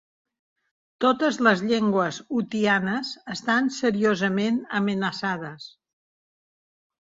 Totes les llengües utianes estan seriosament amenaçades.